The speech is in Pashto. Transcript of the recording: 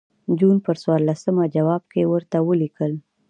جون پر څوارلسمه جواب کې ورته ولیکل.